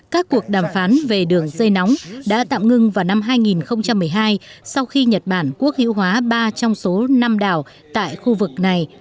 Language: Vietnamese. các cuộc đàm phán về đường dây nóng đã tạm ngưng vào năm hai nghìn một mươi hai sau khi nhật bản quốc hữu hóa ba trong số năm đảo tại khu vực này